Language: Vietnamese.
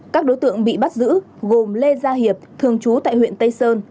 các đối tượng bị bắt giữ gồm lê gia hiệp thường trú tại huyện tây sơn